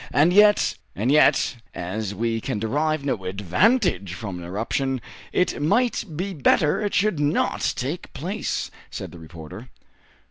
And yet " "And yet, as we can derive no advantage from an eruption, it might be better it should not take place," said the reporter.